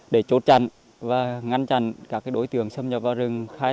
để chốt chặn và ngăn chặn các đối tượng xâm nhập vào rừng